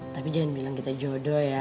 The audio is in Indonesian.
tapi jangan bilang kita jodoh ya